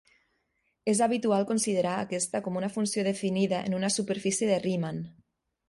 És habitual considerar aquesta com una funció definida en una superfície de Riemann.